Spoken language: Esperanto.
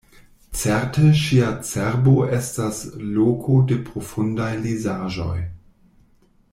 Certe ŝia cerbo estas loko de profundaj lezaĵoj.